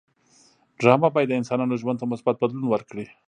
ډرامه باید د انسانانو ژوند ته مثبت بدلون ورکړي